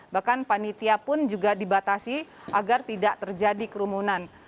bahkan panitia pun juga dibatasi agar tidak terjadi kerumunan